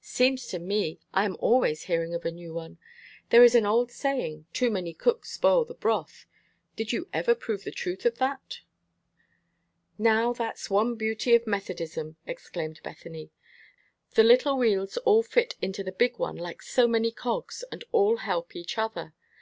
"Seems to me I am always hearing of a new one. There is an old saying, 'Too many cooks spoil the broth.' Did you never prove the truth of that?" "Now, that's one beauty of Methodism," exclaimed Bethany. "The little wheels all fit into the big one like so many cogs, and all help each other.